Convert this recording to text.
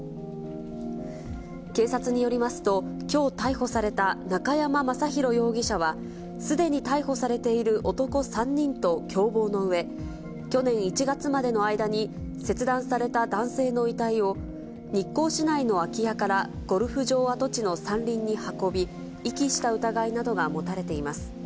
警察によりますと、きょう逮捕された中山正弘容疑者は、すでに逮捕されている男３人と共謀のうえ、去年１月までの間に、切断された男性の遺体を、日光市内の空き家からゴルフ場跡地の山林に運び、遺棄した疑いなどが持たれています。